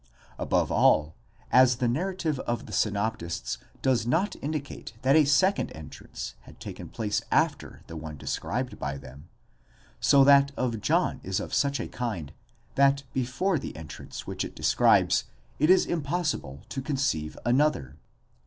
Above all, as the narrative of the synoptists does not indicate that a second entrance had taken place after the one described by them: so that of John is of such a kind, that before the entrance which it describes, it is impossible to conceive another.